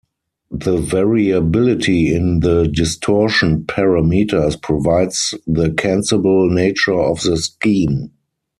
The variability in the distortion parameters provides the cancelable nature of the scheme.